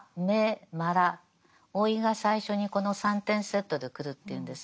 老いが最初にこの３点セットで来るっていうんです。